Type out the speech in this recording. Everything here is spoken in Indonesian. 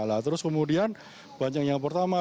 nah terus kemudian banyak yang pertama